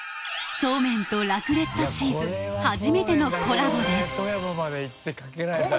そうめんとラクレットチーズ初めてのコラボです